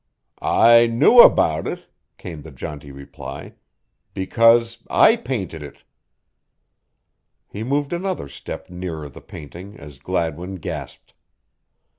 "I knew about it," came the jaunty reply, "because I painted it." He moved another step nearer the painting as Gladwin gasped.